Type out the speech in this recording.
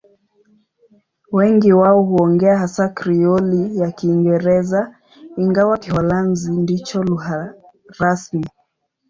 Wengi wao huongea hasa Krioli ya Kiingereza, ingawa Kiholanzi ndicho lugha rasmi.